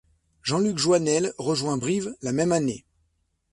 Jean-Luc Joinel rejoint Brive la même année.